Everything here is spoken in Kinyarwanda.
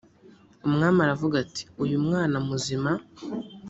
umwami aravuga ati uyu mwana muzima